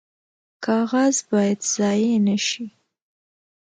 کاغذ باید ضایع نشي